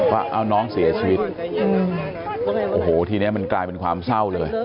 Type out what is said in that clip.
ว่าเอาน้องเสียชีวิตโอ้โหทีนี้มันกลายเป็นความเศร้าเลย